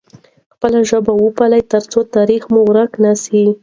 خپله ژبه وپالئ ترڅو تاریخ مو ورک نه سي.